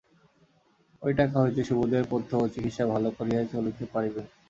ঐ টাকা হইতে সুবোধের পথ্য ও চিকিৎসা ভালো করিয়াই চলিতে পারিবে।